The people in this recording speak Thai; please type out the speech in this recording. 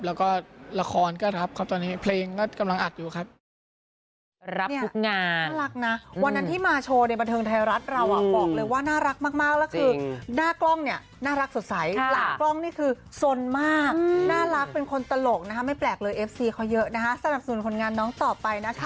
แล้วก็ละครก็รับครับตอนนี้เพลงก็กำลังอัดอยู่ครับ